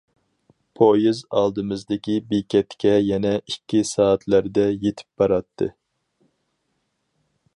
پويىز ئالدىمىزدىكى بېكەتكە يەنە ئىككى سائەتلەردە يېتىپ باراتتى.